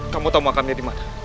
kamu tahu makannya di mana